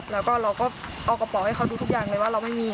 แล้วก็เราก็เอากระเป๋าให้เขาดูทุกอย่างเลยว่าเราไม่มี